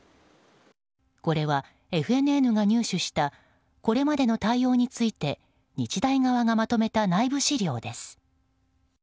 これは、ＦＮＮが入手したこれまでの対応について日大側がまとめた内部資料です。